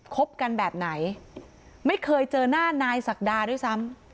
คบกันแบบไหนไม่เคยเจอหน้านายศักดาด้วยซ้ำ